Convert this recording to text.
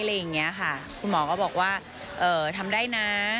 อะไรอย่างนี้ค่ะคุณหมอก็บอกว่าเอ่อทำได้นะ